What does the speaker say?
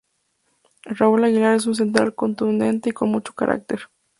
Raúl Aguilar es un central contundente y con mucho carácter.